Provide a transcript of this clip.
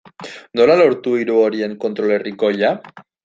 Nola lortu hiru horien kontrol herrikoia?